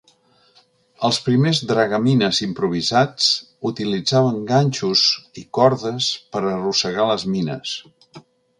Els primers dragamines improvisats utilitzaven ganxos i cordes per arrossegar les mines.